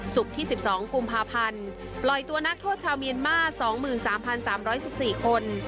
ศุกร์ที่สิบสองกุมภาพันธ์ปล่อยตัวนักโทษชาวเมียนมาสองหมื่นสามพันสามร้อยสิบสี่คน